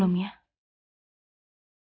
lo sampe ga boleh tantang